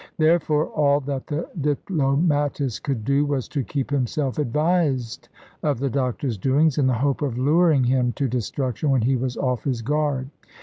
Therefore, all that the diplomatist could do was to keep himself advised of the doctor's doings, in the hope of luring him to destruction when he was off his guard.